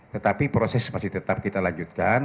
tetapi proses masih tetap kita lanjutkan